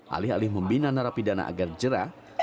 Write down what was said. alih alih membina narapi dana agar jerat